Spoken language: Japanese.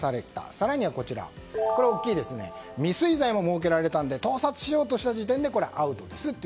更には、これは大きいですね未遂罪も設けられたので盗撮しようとした時点でアウトですと。